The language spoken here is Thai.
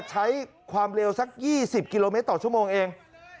ใช้ความเร็วสัก๒๐กิโลเมตรต่อชั่วโมงเอง